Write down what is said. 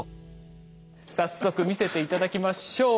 早速見せて頂きましょう。